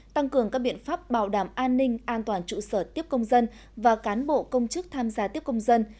tăng cường các biện pháp bảo đảm an ninh an toàn trụ sở tiếp công dân và cán bộ công chức tham gia tiếp công dân